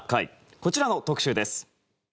こちらの特集です。